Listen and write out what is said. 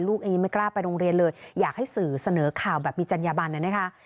เองไม่กล้าไปโรงเรียนเลยอยากให้สื่อเสนอข่าวแบบมีจัญญบันน่ะนะคะ